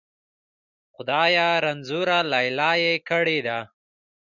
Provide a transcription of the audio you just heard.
خدایه! رنځوره لیلا یې کړې ده.